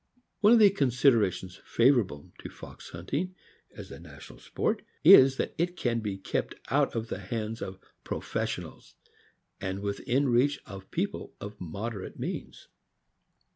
One of the con siderations favorable to fox hunting as the national sport 13 194 THE AMERICAN BOOK OF THE DOG. is, that it can be kept out of the hands of "professionals" and within reach of people of moderate means.